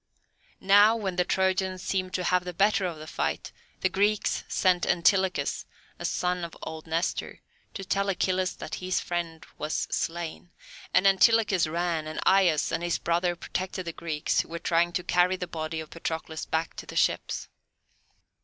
Now when the Trojans seemed to have the better of the fight, the Greeks sent Antilochus, a son of old Nestor, to tell Achilles that his friend was slain, and Antilochus ran, and Aias and his brother protected the Greeks who were trying to carry the body of Patroclus back to the ships.